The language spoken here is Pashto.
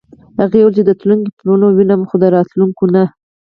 هغې وویل چې د تلونکو پلونه وینم خو د راوتونکو نه.